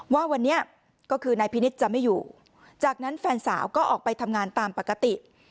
ว่าวันนี้ก็คือนายพินิษฐ์จะไม่อยู่จากนั้นแฟนสาวก็ออกไปทำงานตามปกติ